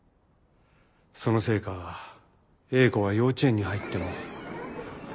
そのせいか英子は幼稚園に入っても。